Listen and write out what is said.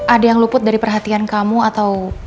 ada yang luput dari perhatian kamu atau